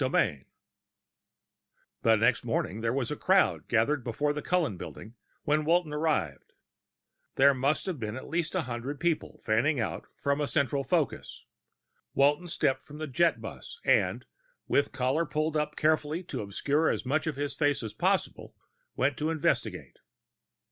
VII The next morning there was a crowd gathered before the Cullen Building when Walton arrived. There must have been at least a hundred people, fanning outward from a central focus. Walton stepped from the jetbus and, with collar pulled up carefully to obscure as much of his face as possible, went to investigate.